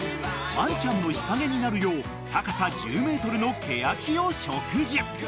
［ワンちゃんの日陰になるよう高さ１０ｍのケヤキを植樹］